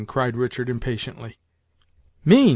cried Richard, impatiently. "Mean!"